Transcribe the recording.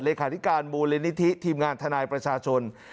ขาธิการมูลนิธิทีมงานทนายประชาชน